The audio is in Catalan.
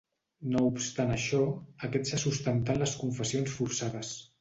No obstant això, aquest se sustentà en les confessions forçades.